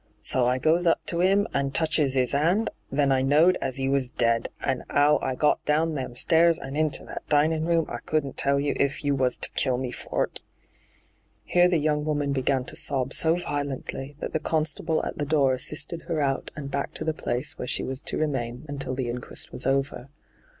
So I goes up to 'im and touches 'is 'and ; then I knowed as 'e was ded, and 'ow I got down them stairs and into that dinin' room I couldn't tell if you was to kill me for't' Here the young woman began to sob so violently that the constable at the door assisted hyGoogIc 62 ENTRAPPED her out and back to the place where she was to remain until the inquest was over.